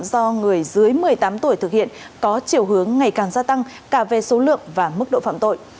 do người dưới một mươi tám tuổi thực hiện có chiều hướng ngày càng gia tăng cả về số lượng và mức độ phạm tội